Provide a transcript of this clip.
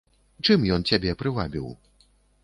Чым ён цябе прывабіў?